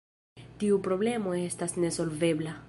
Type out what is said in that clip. Tiu problemo estas nesolvebla.